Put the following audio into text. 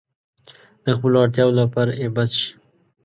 د خپلو اړتیاوو لپاره يې بس شي.